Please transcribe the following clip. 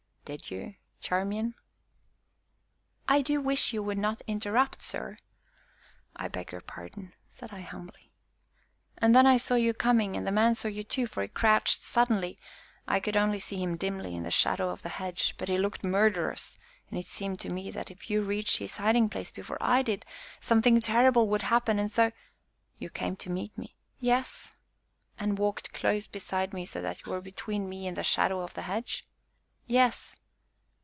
"Did you, Charmian?" "I do wish you would not interrupt, sir." "I beg your pardon," said I humbly. "And then I saw you coming, and the man saw you too, for he crouched suddenly; I could only see him dimly in the shadow of the hedge, but he looked murderous, and it seemed to me that if you reached his hiding place before I did something terrible would happen, and so " "You came to meet me." "Yes." "And walked close beside me, so that you were between me and the shadow in the hedge?" "Yes."